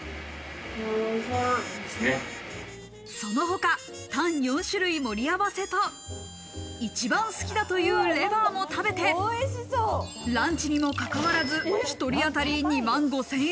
その他、タン４種類盛り合わせと一番好きだというレバーも食べて、ランチにもかかわらず、１人当たり２万５０００円。